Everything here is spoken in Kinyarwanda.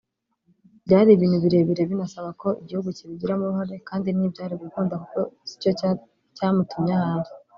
Byari ibintu birebire binasaba ko igihugu kibigiramo uruhare kandi ntibyari gukunda kuko si cyo cyamutumye aho ari